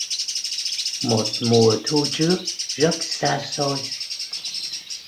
Một mùa thu trước rất xa xôi